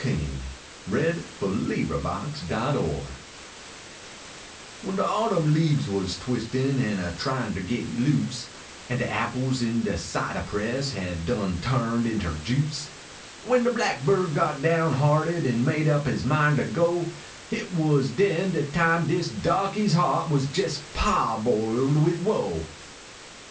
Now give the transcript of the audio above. DE BLACKBIRD FETCHED DE SPUING When de autumn leabes was I \vislin An a tryin ter git loose An de apples in de cidah press Had done turned inter juice ; When de blackbird got down hearted An made up his mind ter go, Hit was den de time dis dahkey s heart Was jes pahboiled wid woe.